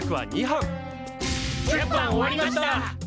１０班終わりました！